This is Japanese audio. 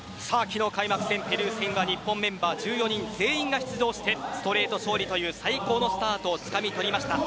ペルー戦は日本代表メンバー１４人が出場してストレート勝利する最高のスタートをつかみ取りました。